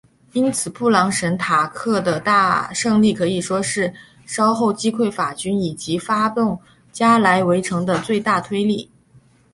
因此布朗什塔克的胜利可以说是稍后击溃法军以及发动加莱围城的最大推力。